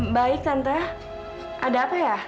baik santa ada apa ya